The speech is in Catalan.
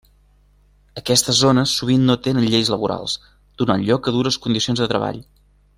Aquestes zones sovint no tenen lleis laborals, donant lloc a dures condicions de treball.